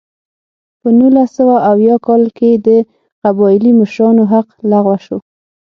په نولس سوه اویا کال کې د قبایلي مشرانو حق لغوه شو.